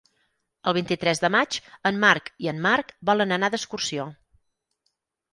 El vint-i-tres de maig en Marc i en Marc volen anar d'excursió.